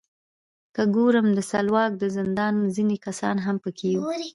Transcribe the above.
که ګورم د سلواک د زندان ځینې کسان هم پکې وو.